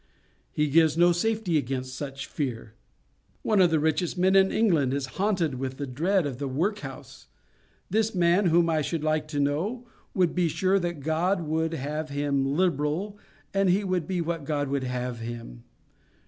He gives no safety against such a fear. One of the richest men in England is haunted with the dread of the workhouse. This man whom I should like to know, would be sure that God would have him liberal, and he would be what God would have him.